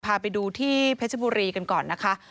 พาไปดูที่เพชรบุรีกันก่อนนะคะ